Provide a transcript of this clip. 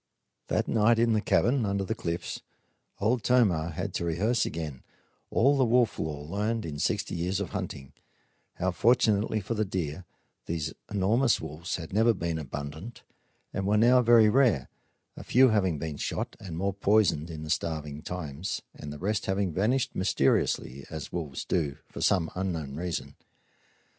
That night, in the cabin under the cliffs, Old Tomah had to rehearse again all the wolf lore learned in sixty years of hunting: how, fortunately for the deer, these enormous wolves had never been abundant and were now very rare, a few having been shot, and more poisoned in the starving times, and the rest having vanished, mysteriously as wolves do, for some unknown reason.